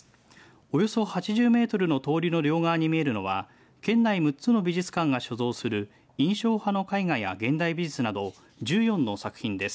およそ８０メートルの通りの両側に見えるのは県内６つの美術館が所蔵する印象派の絵画や現代美術など１４の作品です。